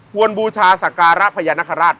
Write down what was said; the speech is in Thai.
ฟวลบูชาสการะพญานคราช